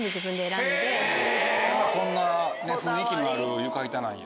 だからこんな雰囲気のある床板なんや。